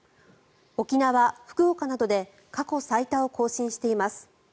沖縄、福岡などで過去最多を更新しています。